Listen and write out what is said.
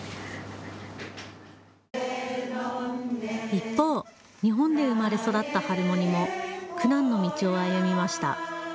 一方、日本で生まれ育ったハルモニも苦難の道を歩みました。